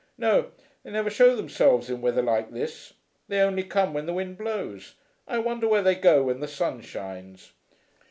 "No; they never show themselves in weather like this. They only come when the wind blows. I wonder where they go when the sun shines."